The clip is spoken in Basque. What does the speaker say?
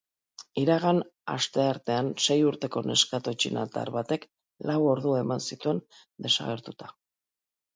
Iragan asteartean sei urteko neskato txinatar batek lau ordu eman zituen desagertuta.